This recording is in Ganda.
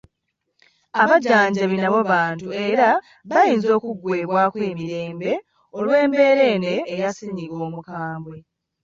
Abajjanjabi nabo bantu era bayinza okuggwebwako emirembe olw’embeera eno eya ssennyiga omukambwe.